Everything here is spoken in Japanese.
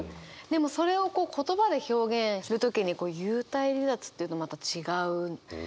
でもそれを言葉で表現する時に「幽体離脱」というのもまた違うな。